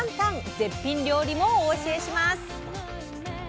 絶品料理もお教えします！